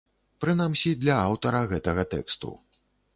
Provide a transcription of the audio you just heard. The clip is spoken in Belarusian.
Прынамсі, для аўтара гэтага тэксту.